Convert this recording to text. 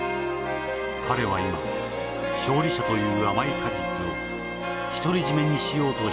彼は今勝利者という甘い果実を独り占めにしようとしているのだ」。